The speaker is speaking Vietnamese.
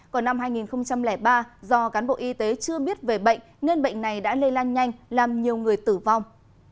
còn năm hai nghìn ba do cán bộ y tế chưa biết về bệnh nên bệnh này đã lây lan nhanh làm nhiều người tử vong